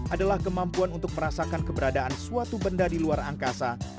adalah kemampuan untuk merasakan keberadaan suatu benda di luar angkasa